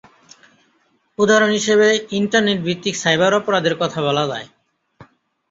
উদাহরণ হিসেবে ইন্টারনেট ভিত্তিক সাইবার অপরাধের কথা বলা যায়।